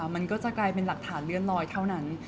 มันก็จะกลายเป็นหลักฐานเลื่อนลอยเท่านั้น